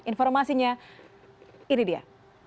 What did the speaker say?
informasinya ini dia